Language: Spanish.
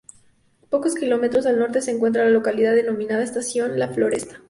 Pocos kilómetros al norte se encuentra la localidad denominada Estación La Floresta.